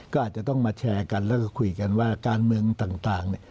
ก็อาจจะต้องมาแชร์กันแล้วก็คุยกันว่าการเมืองต่าง